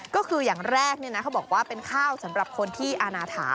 ก็คืออย่างแรกเขาบอกว่าเป็นข้าวสำหรับคนที่อาณาถา